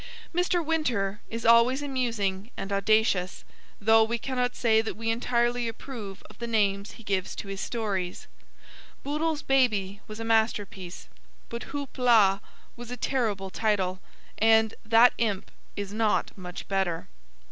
'Mr. Winter' is always amusing and audacious, though we cannot say that we entirely approve of the names he gives to his stories. Bootle's Baby was a masterpiece, but Houp la was a terrible title, and That Imp is not much better.